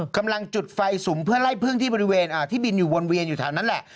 กำลังจุดไฟสุมเพื่อไล่พึ่งที่บริเวณที่บินอยู่วนเวียนอยู่แถวนั้นแหละ